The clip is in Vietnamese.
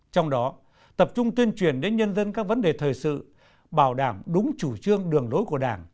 trong đó tập trung tuyên truyền đến nhân dân các vấn đề thời sự bảo đảm đúng chủ trương đường lối của đảng